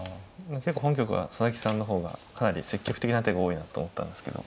結構本局は佐々木さんの方がかなり積極的な手が多いなと思ったんですけど。